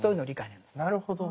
なるほど。